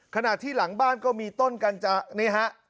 ขณะที่หลังบ้านก็มีต้นกัญจนี่ฮะ